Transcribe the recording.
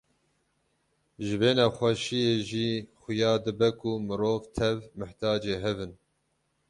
Ji vê nexweşiyê jî xuya dibe ku mirov tev mihtacê hev in.